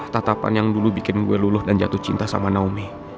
tatapan yang dulu bikin gue luluh dan jatuh cinta sama naomi